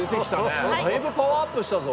だいぶパワーアップしたぞ。